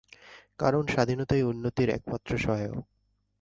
কারণ স্বাধীনতাই উন্নতির একমাত্র সহায়ক।